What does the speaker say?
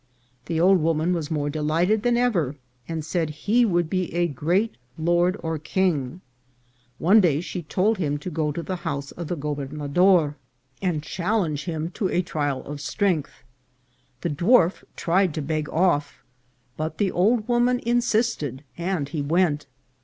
The old woman was more delight ed than ever, and said he would be a great lord or king. One day she told him to go to the house of the gober 37 424 INCIDENTS OF TRAVEL. nador and challenge him to a trial of strength. The dwarf tried to beg off, but the old woman insisted, and he went.